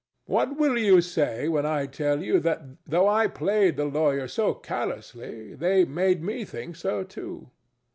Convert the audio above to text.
What will you say when I tell you that though I played the lawyer so callously, they made me think so too?